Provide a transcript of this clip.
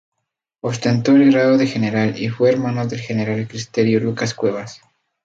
Ostentó el grado de general y fue hermano del general cristero Lucas Cuevas.